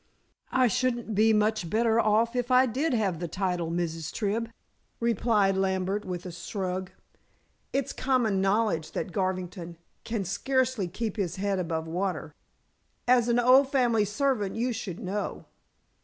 "I shouldn't be much better off if I did have the title, Mrs. Tribb," replied Lambert with a shrug. "It's common knowledge that Garvington can scarcely keep his head above water. As an old family servant you should know."